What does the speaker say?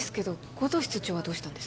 護道室長はどうしたんですか？